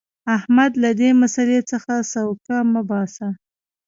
احمده! له دې مسئلې څخه سوک مه باسه.